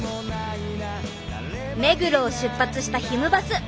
目黒を出発したひむバス。